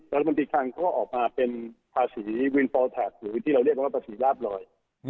กรมนติคังก็ออกมาเป็นภาษีวินฟอลแท็กซ์หรือวิธีเราเรียกว่าภาษีราบรอย